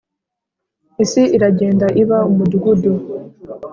isi iragenda iba umudugudu